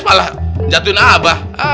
malah jatuhin abah